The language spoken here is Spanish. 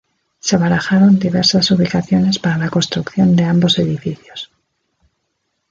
Se barajaron diversas ubicaciones para la construcción de ambos edificios.